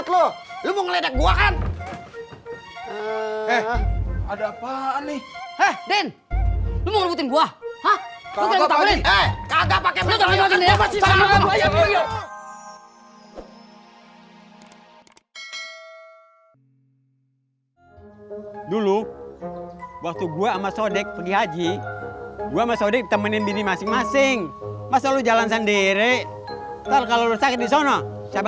sampai jumpa di video selanjutnya